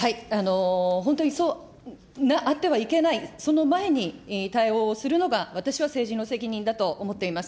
本当にそうあってはいけない、その前に対応をするのが、私は政治の責任だと思っています。